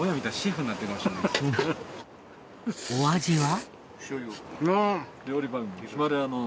お味は？